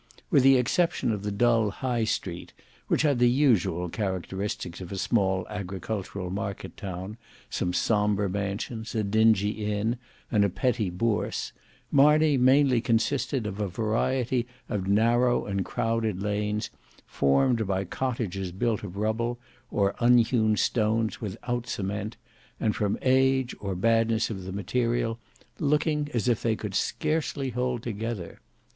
With the exception of the dull high street, which had the usual characteristics of a small agricultural market town, some sombre mansions, a dingy inn, and a petty bourse, Marney mainly consisted of a variety of narrow and crowded lanes formed by cottages built of rubble, or unhewn stones without cement, and from age, or badness of the material, looking as if they could scarcely hold together.